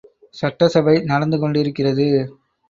சட்டசபை நடந்து கொண்டிருக்கிறது.